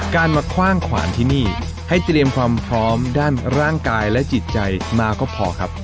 การมาคว่างขวานที่นี่ให้เตรียมความพร้อมด้านร่างกายและจิตใจมาก็พอครับ